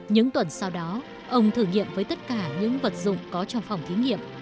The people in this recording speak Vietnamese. những tuần sau đó ông thử nghiệm với tất cả những vật dụng có trong phòng thí nghiệm